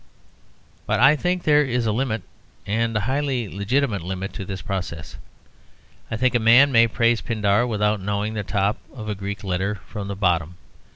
But I think there is a limit, and a highly legitimate limit, to this process. I think a man may praise Pindar without knowing the top of a Greek letter from the bottom.